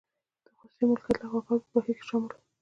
د خصوصي مالکیت لغوه کول په بهیر کې شامل و.